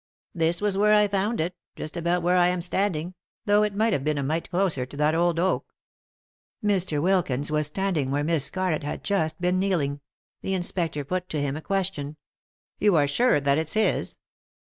" This was where I found it ; just about where I am standing ; though it might have been a mite closer to that old oak." • Mr. Wilkins was standing where Miss Scarlett had just been kneeling. The inspector put to him a question. "You are sure that it's his?"